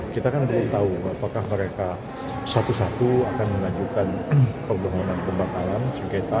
kita kan belum tahu apakah mereka satu satu akan mengajukan pembangunan pembakaran sengketa